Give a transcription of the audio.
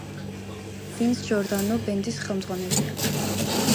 ვინს ჯორდანო ბენდის ხელმძღვანელია.